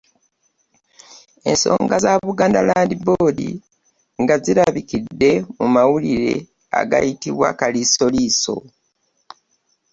Ensonga za Bugand Land Board nga zirabikidde mu mawulire agayitribwa Kaliisoliiso.